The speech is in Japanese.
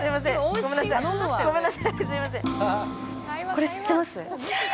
これ知ってます？